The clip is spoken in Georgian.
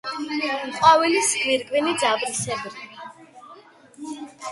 ყვავილის გვირგვინი ძაბრისებრი.